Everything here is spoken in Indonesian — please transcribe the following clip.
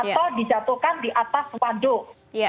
atau dijatuhkan di atas waduk